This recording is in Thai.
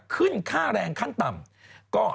ขึ้นค่าแรงขั้นต่ำ